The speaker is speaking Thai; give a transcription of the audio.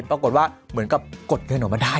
ปรากฏว่าเหมือนกับกดเงินออกมาได้